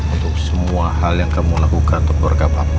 untuk semua hal yang kamu lakukan untuk berkah papa